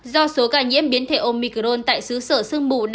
do số ca nhiễm biến thể omicron tại xứ sở sương mù